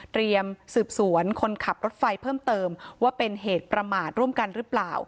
สืบสวนคนขับรถไฟเพิ่มเติมว่าเป็นเหตุประมาทร่วมกันหรือเปล่า